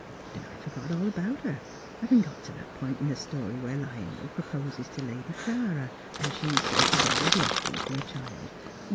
Then I forgot all about her, havin' got to that pint in the story where Lionel proposes to Lady Clara ; an' she says she's always loved him, from a child.